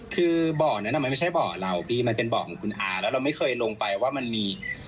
คือบ่อนั้นมันไม่ใช่บ่อเราพี่มันเป็นบ่อของคุณอาแล้วเราไม่เคยลงไปว่ามันมี